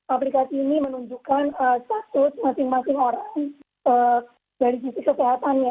aplikasi ini menunjukkan status masing masing orang dari sisi kesehatannya